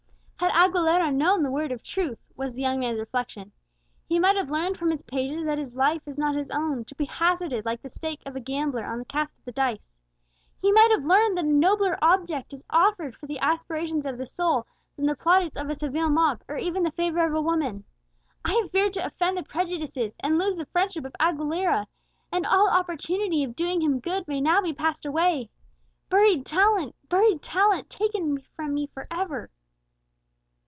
"Had Aguilera known the Word of Truth," was the young man's reflection, "he might have learned from its pages that his life is not his own, to be hazarded like the stake of a gambler on the cast of the dice! He might have learned that a nobler object is offered for the aspirations of the soul than the plaudits of a Seville mob, or even the favour of a woman! I have feared to offend the prejudices and lose the friendship of Aguilera, and all opportunity of doing him good may now be passed away. Buried talent buried talent taken from me for ever!"